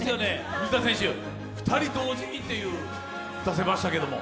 水谷選手、２人同時に出せましたけれども。